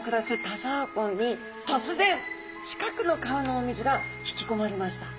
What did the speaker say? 田沢湖に突然近くの川のお水が引きこまれました。